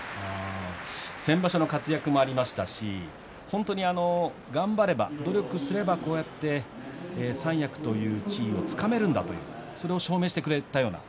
先場所の活躍もありましたし、本当に頑張れば努力すれば、こうやって三役という地位をつかめるんだというそれを証明してくれたような。